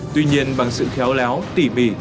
tuy nhiên bằng sự khéo léo tỉ mỉ